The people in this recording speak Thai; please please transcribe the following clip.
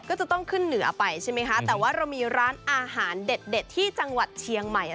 ก็จะต้องขึ้นเหนือไปใช่ไหมคะแต่ว่าเรามีร้านอาหารเด็ดที่จังหวัดเชียงใหม่